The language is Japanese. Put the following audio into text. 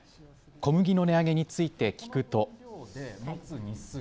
小麦の値上げについて聞くと。